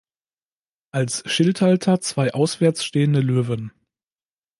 Als Schildhalter zwei auswärts stehende Löwen.